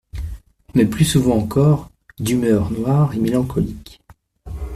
Mais plus souvent encore, d'humeur noire et mélancolique.